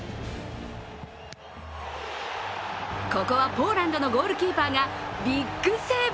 ここはポーランドのゴールキーパーがビッグセーブ。